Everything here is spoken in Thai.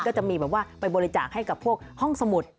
จะมีแบบว่าไปบริจาคให้กับพวกห้องสมุด